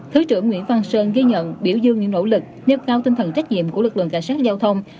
thứ trưởng nguyễn văn sơn ghi nhận biểu dương những nỗ lực nêu cao tinh thần trách nhiệm của lực lượng cảnh sát giao thông